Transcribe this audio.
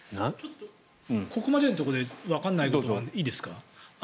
ここまでのところでわからないところがあるのでいいですか。